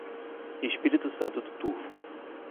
Espírito Santo do Turvo